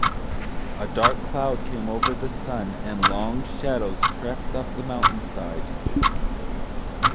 A dark cloud came over the sun, and long shadows crept up the mountain side.